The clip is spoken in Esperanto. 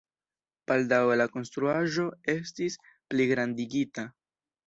Baldaŭe la konstruaĵo estis pligrandigita.